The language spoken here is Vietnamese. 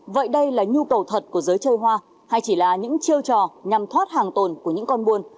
vậy đây là nhu cầu thật của giới chơi hoa hay chỉ là những chiêu trò nhằm thoát hàng tồn của những con buôn